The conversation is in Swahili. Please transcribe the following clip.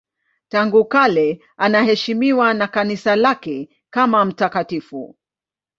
Tangu kale anaheshimiwa na Kanisa lake kama mtakatifu.